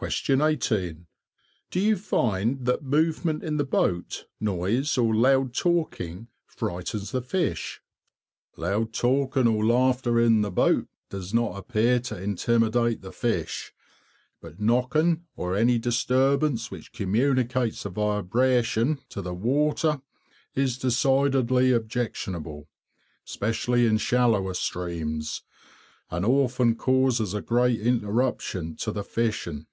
18. Do you find that movement in the boat, noise, or loud talking frightens the fish? Loud talking or laughter in the boat does not appear to intimidate the fish, but knocking or any disturbance which communicates a vibration to the water is decidedly objectionable, especially in shallower streams, and often causes a great interruption to the fishing.